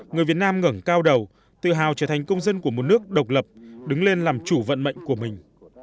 người việt nam ngẩn cao đầu tự hào trở thành công dân của một nước độc lập đứng lên làm chủ vận mệnh của mình